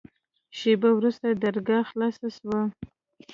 شېبه وروسته درګاه خلاصه سوه.